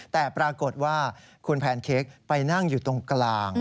แต่ปรากฏว่าคุณแพนเค้กไปนั่งอยู่ตรงกลาง